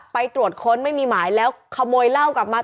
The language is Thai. ไปตรวจค้นไม่มีหมายแล้วขโมยเหล้ากลับมา